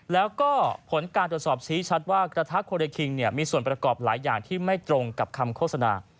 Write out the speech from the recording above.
แล้วก็ผลการตรวจสอบชี้ชัดว่ากระทะโคเรคิงมีส่วนประกอบหลายอย่างที่ไม่ตรงกับคำโฆษณา